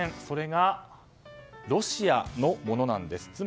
それがロシアのものなんです。